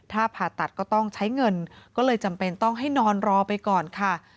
ถ้าผ่าตัดก็ต้องใช้เงินก็เลยจำเป็นต้องให้นอนรอไปก่อนค่ะ